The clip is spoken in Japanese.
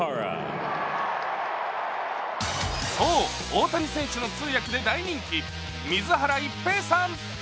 そう、大谷選手の通訳で大人気水原一平さん。